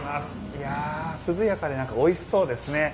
いやー、涼やかでおいしそうですね。